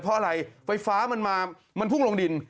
เพราะอะไรไฟฟ้ามันมามันพุ่งลงดิน